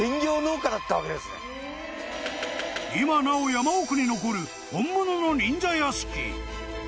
［今なお山奥に残る本物の忍者屋敷］